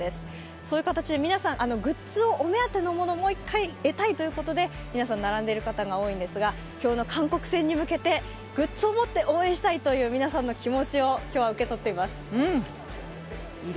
そういう形で皆さん、グッズをお目当てのものをもう一回得たいということで皆さん並んでいる方が多いんですが、今日の韓国戦に向けてグッズを持って応援したいという皆さんの気持ちを今日は受け取っています。